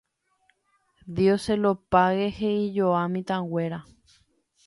Dioselopáge, he'ijoa mitãnguéra